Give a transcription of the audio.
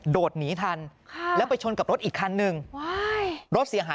ได้